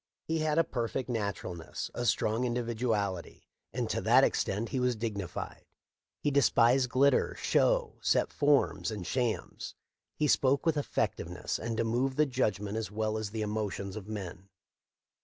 He had a perfect naturalness, a strong individu ality ; and to that extent he was dignified. He despised glitter, show, set forms, and shams. He spoke with effectiveness and to move the judg ment as well as the emotions of men.